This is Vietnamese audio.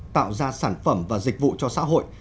tạo ra sản phẩm và dịch vụ cho xã hội